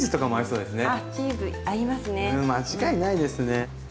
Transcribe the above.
うん間違いないですね。